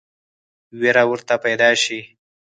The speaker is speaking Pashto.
وېره ورته پیدا شي.